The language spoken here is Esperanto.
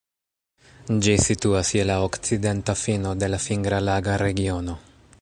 Ĝi situas je la okcidenta fino de la Fingra-Laga Regiono.